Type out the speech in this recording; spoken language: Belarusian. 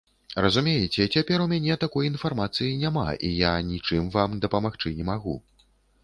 Разумееце, цяпер у мяне такой інфармацыі няма, і я нічым вам дапамагчы не магу.